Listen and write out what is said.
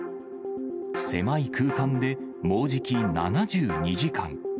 狭い空間でもうじき７２時間。